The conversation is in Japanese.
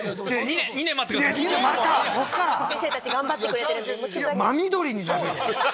２年⁉先生たち頑張ってくれてる。